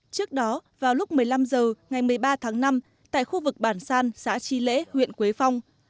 trước đó vào lúc một mươi năm h ngày một mươi ba tháng năm tại khu vực bản san xã tri lễ huyện quế phong